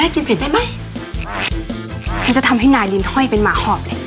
ฉันจะทำให้นายลินห้อยเป็นหมาหอบเลย